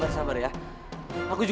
aku juga gak tau ibu